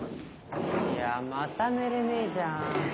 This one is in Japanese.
いやまた寝れねえじゃん。